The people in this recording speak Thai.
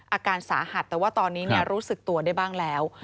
อาการสาหัสแต่ว่าตอนนี้รู้สึกตัวได้บ้างแล้ว